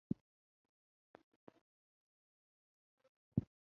粗裂复叶耳蕨为鳞毛蕨科复叶耳蕨属下的一个种。